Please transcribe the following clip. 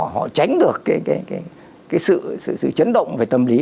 họ tránh được cái sự chấn động về tâm lý